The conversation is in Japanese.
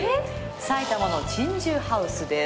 埼玉の珍獣ハウスです。